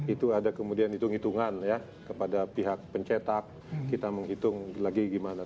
itu ada kemudian hitung hitungan ya kepada pihak pencetak kita menghitung lagi gimana